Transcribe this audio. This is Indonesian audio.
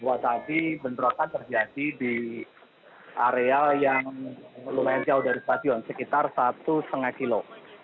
bahwa tadi bentrokan terjadi di area yang lumayan jauh dari stasiun sekitar satu lima kilo